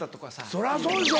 そりゃそうでしょ